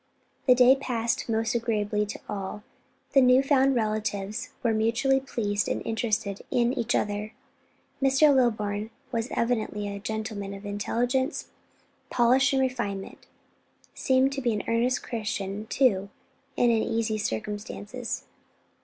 The day passed most agreeably to all; the new found relatives were mutually pleased and interested in each other. Mr. Lilburn was evidently a gentleman of intelligence, polish and refinement; seemed to be an earnest Christian, too, and in easy circumstances.